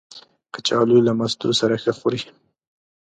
کچالو له مستو سره ښه خوري